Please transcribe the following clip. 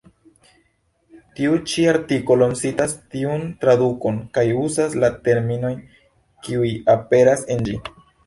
Tiu ĉi artikolo citas tiun tradukon kaj uzas la terminojn, kiuj aperas en ĝi.